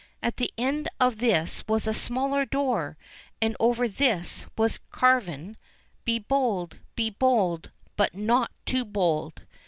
At the end of this was a smaller door, and over this was carven : BE BOLD, BE BOLD; BUT NOT TOO BOLD.